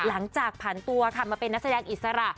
หลังจากผ่านตัวค่ะมาเป็นนักแสดงอิสระ